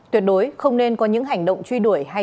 tuyệt đối không nên có những hành động truy đuổi